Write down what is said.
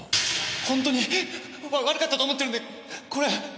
ほんとに悪かったと思ってるんでこれ。